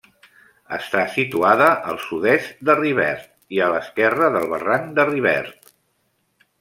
Està situada al sud-est de Rivert, a l'esquerra del barranc de Rivert.